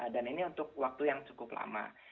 dan ini untuk waktu yang cukup lama